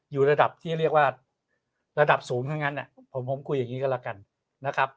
อยู่ระดับที่เรียกว่าระดับสูงทั้งนั้นผมคุยอย่างนี้ก็แล้วกันนะครับ